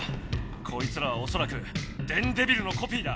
こいつらはおそらく電デビルのコピーだ。